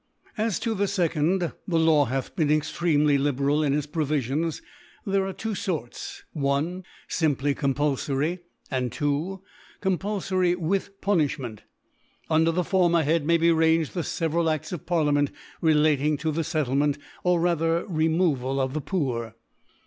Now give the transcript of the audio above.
As to the 2d, the Law haih been ex tremely liberal in its Provifions. Thefc are of two Sorts, I, Simply compulfory ; and, 2. Compulfory with Punilhment. Under the former Head may be ranged the feveral Ads of Parliament relating to the Settle ment, or rather Removal of the Poor.